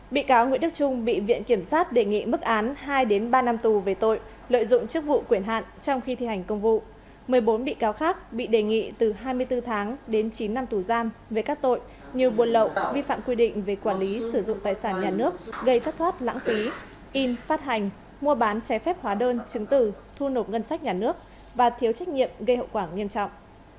bị cáo nguyễn đức trung bị viện kiểm sát đề nghị mức án hai ba năm tù về tội lợi dụng chức vụ quyển hạn trong khi thi hành công vụ một mươi bốn bị cáo khác bị đề nghị từ hai mươi bốn tháng đến chín năm tù giam về các tội như buồn lậu vi phạm quy định về quản lý sử dụng tài sản nhà nước gây thất thoát lãng phí in phát hành mua bán trái phép hóa đơn trứng tử thu nộp ngân sách nhà nước và thiếu trách nhiệm gây hậu quả nghiêm trọng